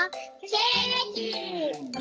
ケーキ！